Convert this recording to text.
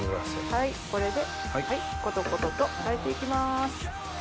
これでコトコトと炊いて行きます。